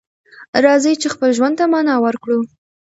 راځئ چې خپل ژوند ته معنی ورکړو.